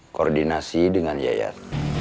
koordinasi dengan yayat